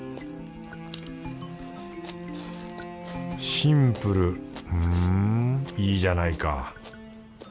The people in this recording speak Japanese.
シンプルふんいいじゃないか